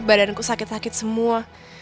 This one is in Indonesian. badanku sakit sakit semua